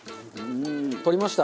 取りました。